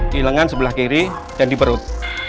hilangan sebelah kiri dan di perut